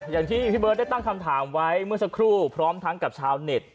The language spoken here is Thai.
อย่างที่พี่เบิร์ตได้ตั้งคำถามไว้เมื่อสักครู่พร้อมทั้งกับชาวเน็ต